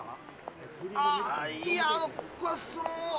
あいやその。